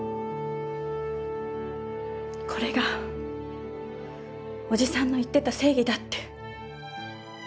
これがおじさんの言ってた正義だって。